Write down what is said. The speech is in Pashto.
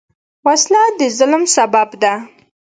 وسله د ظلم سبب ده